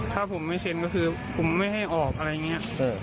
ถ้าผมไม่เซ็นก็คือผมไม่ให้ออกอะไรอย่างนี้